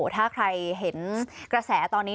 ถ้าใครเห็นกระแสตอนนี้